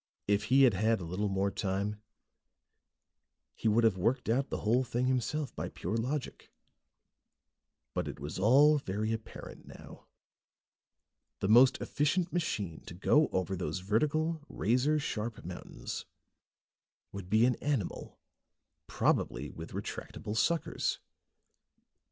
If he had had a little more time, he would have worked out the whole thing himself, by pure logic. But it was all very apparent now. The most efficient machine to go over those vertical, razor sharp mountains would be an animal, probably with retractable suckers.